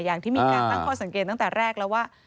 อย่างที่มีการตั้งข้อสังเกตตั้งแต่แรกแล้วว่า